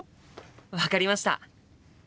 分かりました！